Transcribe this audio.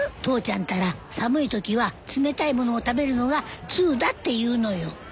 父ちゃんたら寒いときは冷たいものを食べるのがツウだって言うのよ。